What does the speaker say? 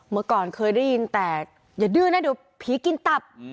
เมื่อก่อนเคยได้ยินแต่อย่าดื้อนะเดี๋ยวผีกินตับ